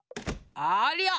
ありゃあ！